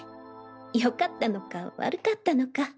よかったのか悪かったのか。